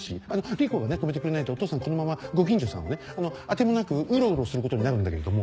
理子がね止めてくれないとお父さんこのままご近所さんを当てもなくうろうろすることになるんだけれども。